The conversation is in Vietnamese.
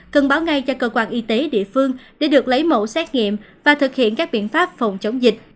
cần báo ngay cho cơ quan y tế địa phương để được lấy mẫu xét nghiệm và thực hiện các biện pháp phòng chống dịch